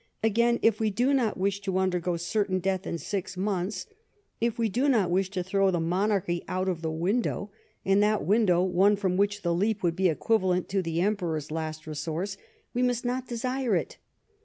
Again, if we do not wisli to undergo certain death in six months, if we do not wish to throw the monarcliy out of the window, and that window one from which the leap would be equivalent to the Emjieror's last resource, we must not desire it.